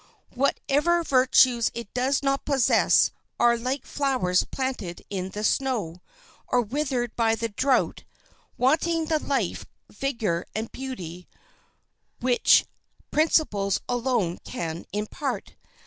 Whatever virtues it does not possess are like flowers planted in the snow or withered by the drought—wanting the life vigor and beauty which principles alone can impart.